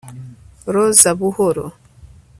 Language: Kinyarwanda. roza buhoro